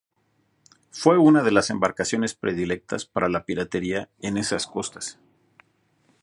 Fue una de las embarcaciones predilectas para la piratería en esas costas.